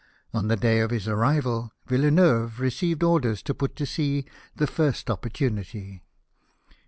On the day of his arrival, Villeneuve received orders to put to sea the first opportunity.